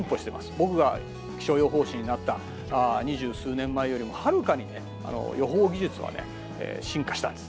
僕が気象予報士になった二十数年前よりもはるかにね予報技術は進化したんです。